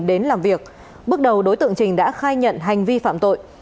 đến làm việc bước đầu đối tượng trình đã khai nhận hành vi phạm tội